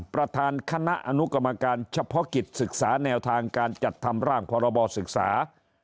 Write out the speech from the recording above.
ประธานคณะอนุกรรมการเฉพาะกิจศึกษาแนวทางการจัดทำร่างพรบศึกษา